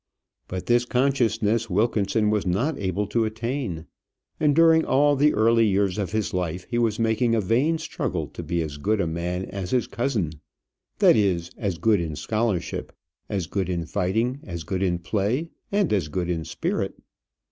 But this consciousness Wilkinson was not able to attain; and during all the early years of his life, he was making a vain struggle to be as good a man as his cousin; that is, as good in scholarship, as good in fighting, as good in play, and as good in spirit.